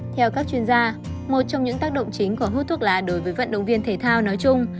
theo các chuyên gia một trong những tác động chính của hút thuốc lá đối với vận động viên thể thao nói chung